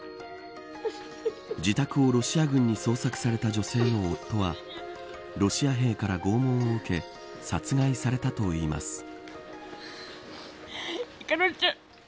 自宅をロシア軍に捜索された女性の夫はロシア兵から拷問を受け殺害されたといいます。